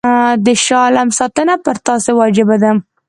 د شاه عالم ساتنه پر تاسي واجب ده.